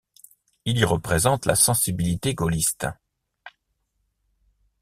Il y représente la sensibilité gaulliste.